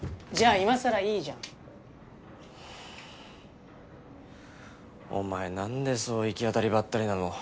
いまさらいいじゃんお前なんでそう行き当たりばったりなの？